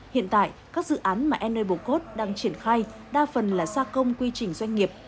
hiện tại các dự án mà enablecode đang triển khai đa phần là gia công quy trình doanh nghiệp